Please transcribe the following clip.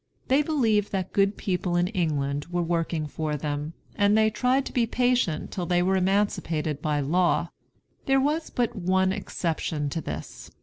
They believed that good people in England were working for them, and they tried to be patient till they were emancipated by law. There was but one exception to this.